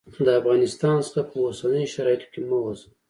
د افغانستان څخه په اوسنیو شرایطو کې مه ووزه.